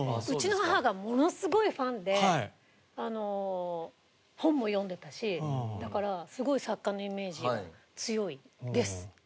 うちの母がものすごいファンで本も読んでたしだからすごい作家のイメージが強いです。